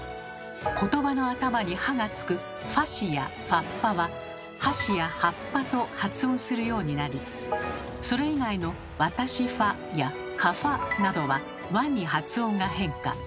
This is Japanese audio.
言葉の頭に「は」がつく「ふぁし」や「ふぁっぱ」は「はし」や「はっぱ」と発音するようになりそれ以外の「私ふぁ」や「かふぁ」などは「わ」に発音が変化。